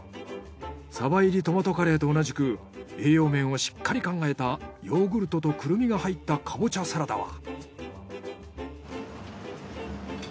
鯖入りトマトカレーと同じく栄養面をしっかり考えたヨーグルトとクルミが入ったカボチャサラダは？